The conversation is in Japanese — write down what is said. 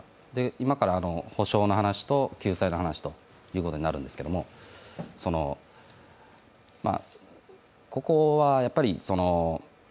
今から補償の話と救済の話ということになるんですけど、ここはやっぱり